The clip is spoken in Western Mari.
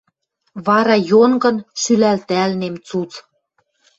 Вара йонгын шӱлӓлтӓлнем цуц.